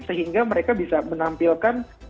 sehingga mereka bisa menampilkan